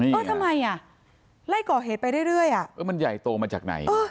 นี่เอ้อทำไมอ่ะไล่ก่อเหตุไปเรื่อยเรื่อยอ่ะเอ้อมันใหญ่โตมาจากไหนเอ้อ